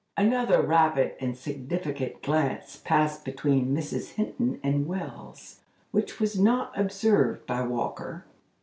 Another rapid and significant glance passed between Mrs. Hinton and Wells, which was not observed by Walker.